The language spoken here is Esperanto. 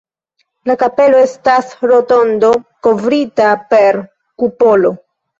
La kapelo estas rotondo kovrita per kupolo.